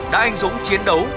đã anh dũng chiến đấu